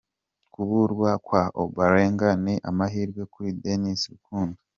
Kubura kwa Ombolenga ni amahirwe kuri Denis Rukundo.